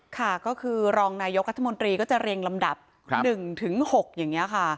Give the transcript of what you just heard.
ค่ะก็คือรองนายกรัฐมนตรีก็จะเรียงลำดับ๑๖อย่างนี้ค่ะ